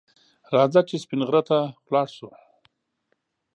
راځه چې سپین غر ته لاړ شو